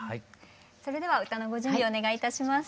それでは歌のご準備お願いいたします。